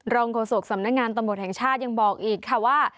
โฆษกสำนักงานตำรวจแห่งชาติยังบอกอีกค่ะว่า